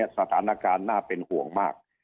สถานการณ์น่าเป็นห่วงมาก